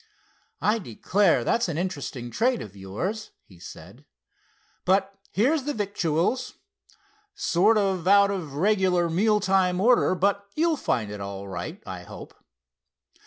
"I declare! that's an interesting trade of yours," he said. "But here's the victuals. Sort of out of reg'lar meal time order, but you'll find it all right, I hope."